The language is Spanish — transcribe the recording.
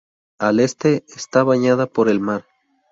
Al este está bañada por el mar.